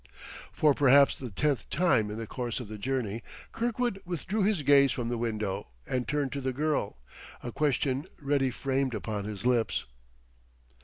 For perhaps the tenth time in the course of the journey Kirkwood withdrew his gaze from the window and turned to the girl, a question ready framed upon his lips.